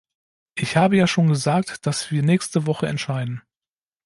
Ich habe ja schon gesagt, dass wir nächste Woche entscheiden.